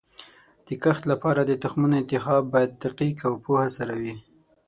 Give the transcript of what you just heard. د کښت لپاره د تخمونو انتخاب باید دقیق او پوهه سره وي.